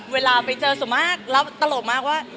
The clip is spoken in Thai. เวลาไปเจอส่วนมากแล้วตลกมากว่า